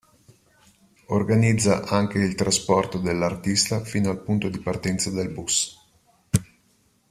Organizza anche il trasporto dell'artista fino al punto di partenza del bus.